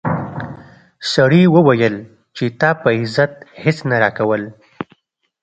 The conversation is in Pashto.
سړي وویل چې تا په عزت هیڅ نه راکول.